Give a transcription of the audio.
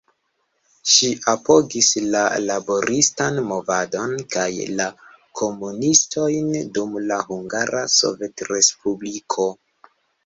Ŝi apogis la laboristan movadon kaj la komunistojn dum la Hungara Sovetrespubliko.